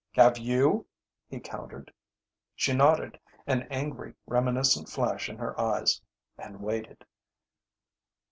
"Have you?" he countered. She nodded, an angry reminiscent flash in her eyes, and waited.